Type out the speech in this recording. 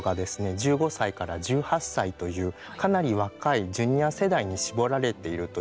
１５歳から１８歳というかなり若いジュニア世代に絞られているということですね。